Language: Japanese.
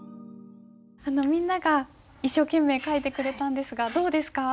みんなが一生懸命書いてくれたんですがどうですか？